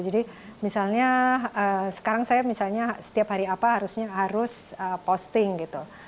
jadi misalnya sekarang saya misalnya setiap hari apa harusnya harus posting gitu